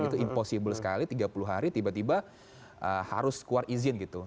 itu impossible sekali tiga puluh hari tiba tiba harus keluar izin gitu